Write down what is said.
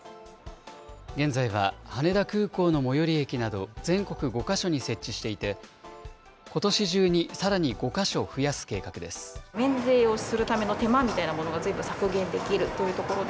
現在は、羽田空港の最寄り駅など全国５か所に設置していて、ことし中にさらに５か所増やす計画です。